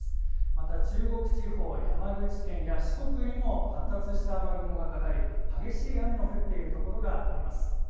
また中国地方、山口県や四国にも発達した雨雲がかかり激しい雨の降っているところがあります。